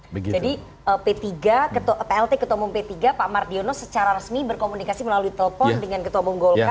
jadi plt ketua umum p tiga pak mart diono secara resmi berkomunikasi melalui telepon dengan ketua umum golka